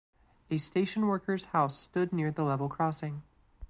A station workers house stood near the level crossing.